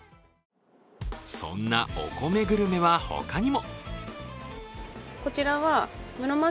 そんなお米グルメはほかにも。